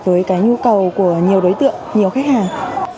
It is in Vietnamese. với cái nhu cầu của nhiều đối tượng nhiều khách hàng